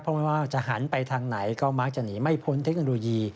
ไม่ว่าจะหันไปทางไหนก็มักจะหนีไม่พ้นเทคโนโลยี